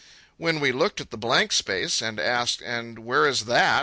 When we looked at the blank space and asked, "And where is that?"